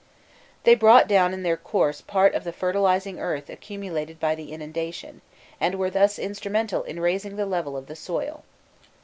They brought down in their course part of the fertilizing earth accumulated by the inundation, and were thus instrumental in raising the level of the soil.